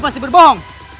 aku tidak berbohong